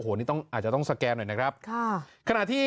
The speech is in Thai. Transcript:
อันนี้อาจจะต้องสแกนหน่อยนะครับ